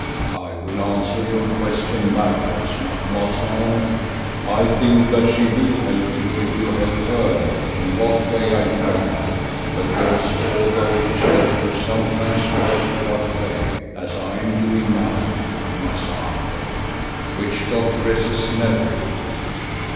"I will answer your question backwards, Macumazahn. I think that she will help you if you help her, in what way I do not know, because although witch doctors sometimes work without pay, as I am doing now, Macumazahn, witch doctoresses never do.